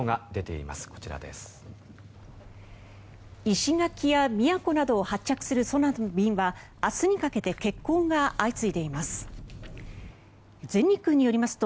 石垣や宮古などを発着する空の便は明日にかけて欠航が相次いでいます。